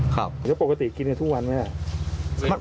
ครับแล้วปกติกินกันทุกวันมั้ยแหละ